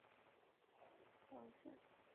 以下营运时间以官方网站为准。